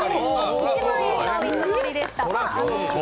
１万円の見積もりでした。